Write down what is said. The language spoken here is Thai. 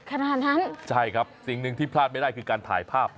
ขนาดนั้นใช่ครับสิ่งหนึ่งที่พลาดไม่ได้คือการถ่ายภาพ